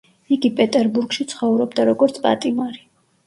იგი პეტერბურგში ცხოვრობდა, როგორც პატიმარი.